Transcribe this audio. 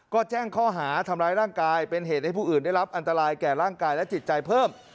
ก็แจ้งข้อหาทำร้ายร่างกายเป็นเหตุให้ผู้อื่นได้รับอันตรายแก่ร่างกายและจิตใจเพิ่ม